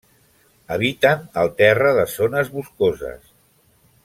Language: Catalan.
Habiten el terra de zones boscoses.